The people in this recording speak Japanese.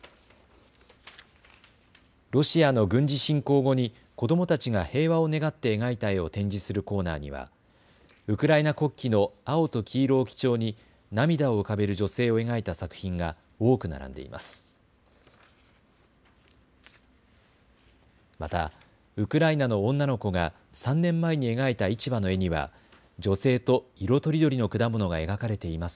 ロシアの軍事侵攻後に子どもたちが平和を願って描いた絵を展示するコーナーにはウクライナ国旗の青と黄色を基調に涙を浮かべる女性を描いた作品が多く並んでいます。